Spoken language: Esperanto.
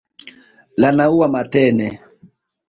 La naŭa matene.